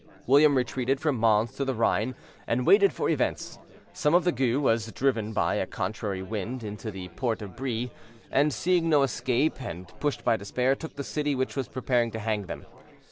William retreated from Mons to the Rhine, and waited for events. Some of the Gueux was driven by a contrary wind into the port of Brille: and seeing no escape, and pushed by despair, took the city which was preparing to hang them.